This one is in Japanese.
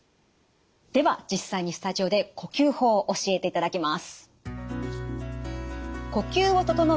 では実際にスタジオで呼吸法教えていただきます。